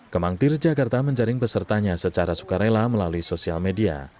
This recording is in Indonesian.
kemangtir jakarta menjaring pesertanya secara sukarela melalui sosial media